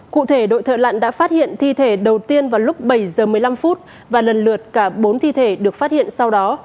cụ thể đội thợ lặn đã phát hiện thi thể đầu tiên vào lúc bảy giờ một mươi năm phút và lần lượt cả bốn thi thể được phát hiện sau đó